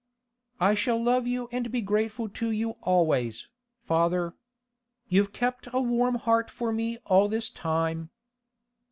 'I shall love you and be grateful to you always, father. You've kept a warm heart for me all this time.